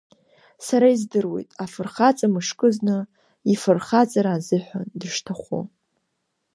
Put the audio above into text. Сара издыруеит, афырхаҵа мышкызны, ифырхаҵара азыҳәан дышҭахо.